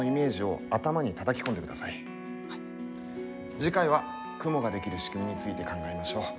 次回は雲ができる仕組みについて考えましょう。